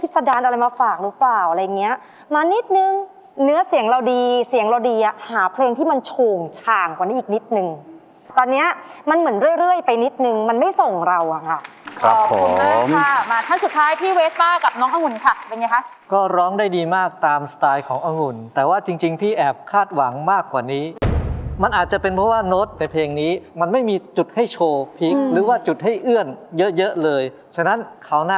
ซึ่งเนื้อเสียงเราดีเสียงเราดีอะหาเพลงที่มันโชงชางกว่านี้อีกนิดนึงตอนนี้มันเหมือนเรื่อยไปนิดนึงมันไม่ส่งเราอะครับขอบคุณมากค่ะมาทั้งสุดท้ายพี่เวสป้ากับน้องอังุณค่ะเป็นไงคะก็ร้องได้ดีมากตามสไตล์ของอังุณแต่ว่าจริงพี่แอบคาดหวังมากกว่านี้มันอาจจะเป็นเพราะว่าโน้ตในเพลงนี้มัน